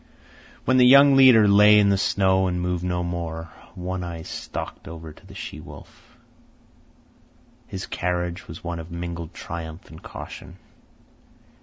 When the young leader lay in the snow and moved no more, One Eye stalked over to the she wolf. His carriage was one of mingled triumph and caution.